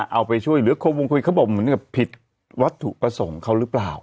เอาไปช่วยเหลือโครงคลุมควีดของผมเหมือนกับผิดวัตถุก็ส่งเขาหรือเปล่า